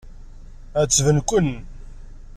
Ɛettben-ken.